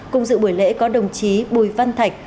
cùng dự buổi lễ có đồng chí bùi văn thạch